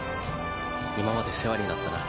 今まで世話になったな。